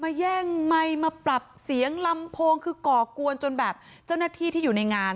แย่งไมค์มาปรับเสียงลำโพงคือก่อกวนจนแบบเจ้าหน้าที่ที่อยู่ในงาน